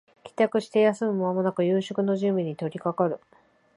帰宅して休む間もなく夕食の準備に取りかかる